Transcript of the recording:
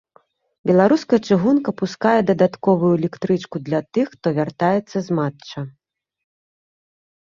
Беларуская чыгунка пускае дадатковую электрычку для тых, хто вяртаецца з матча.